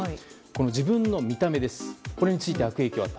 自分の見た目これについて悪影響があった。